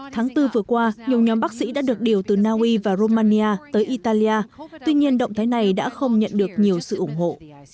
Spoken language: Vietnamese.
tháng bốn vừa qua nhiều nhóm bác sĩ đã được điều từ naui và romania tới italia tuy nhiên động thái này đã không nhận được nhiều sự ủng hộ